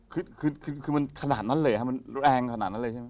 คือคือมันขนาดนั้นเลยฮะมันแรงขนาดนั้นเลยใช่ไหม